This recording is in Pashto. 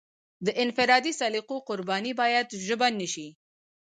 د انفرادي سلیقو قرباني باید ژبه نشي.